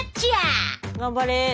頑張れ。